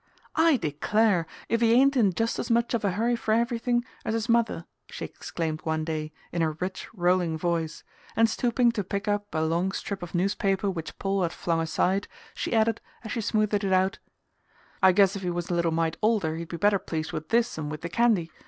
"I declare, if he ain't in just as much of a hurry f'r everything as his mother!" she exclaimed one day in her rich rolling voice; and stooping to pick up a long strip of newspaper which Paul had flung aside she added, as she smoothed it out: "I guess 'f he was a little mite older he'd be better pleased with this 'n with the candy.